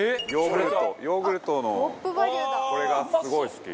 ヨーグルトのこれがすごい好き。